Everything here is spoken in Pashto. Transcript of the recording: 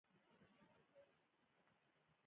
د میرمنو کار د چاپیریال ساتنه کې ګډون کوي.